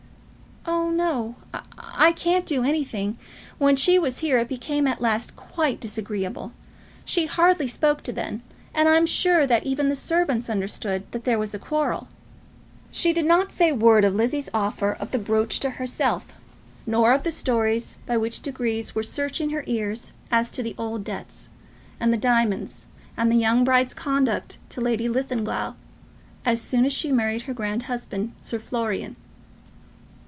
"Oh no; I can't do anything. When she was here it became at last quite disagreeable. She hardly spoke to them, and I'm sure that even the servants understood that there was a quarrel." She did not say a word of Lizzie's offer of the brooch to herself, nor of the stories which by degrees were reaching her ears as to the old debts, and the diamonds, and the young bride's conduct to Lady Linlithgow as soon as she married her grand husband, Sir Florian.